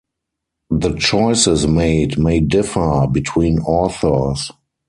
The choices made may differ between authors.